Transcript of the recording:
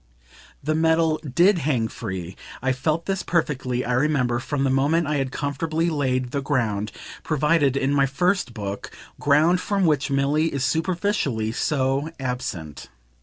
The medal DID hang free I felt this perfectly, I remember, from the moment I had comfortably laid the ground provided in my first Book, ground from which Milly is superficially so absent.